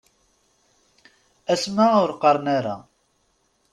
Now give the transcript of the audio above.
Asma ur qqaren ara.